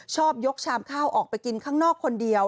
ชอบยกชามข้าวออกไปกินข้างนอกคนเดียว